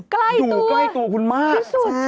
ใกล้ตัวพิสูจน์ใช่ใกล้ตัวคุณมาก